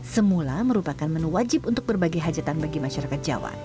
semula merupakan menu wajib untuk berbagai hajatan bagi masyarakat jawa